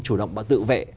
chủ động tự vệ